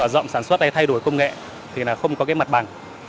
rộng sản xuất thay đổi công nghệ không có mặt bằng